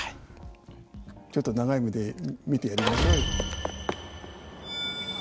ちょっと長い目で見てやりましょうよ。